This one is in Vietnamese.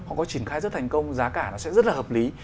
nó sẽ rất thành công giá cả nó sẽ rất là hợp lý